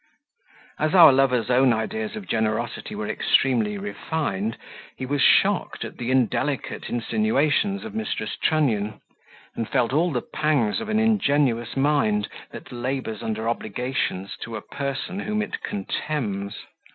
As our lover's own ideas of generosity were extremely refined, he was shocked at the indelicate insinuations of Mrs. Trunnion, and felt all the pangs of an ingenuous mind that labours under obligations to a person whom it contemns.